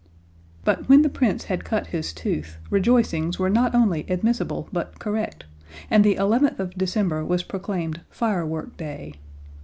But when the Prince had cut his tooth, rejoicings were not only admissible but correct, and the eleventh of December was proclaimed firework day.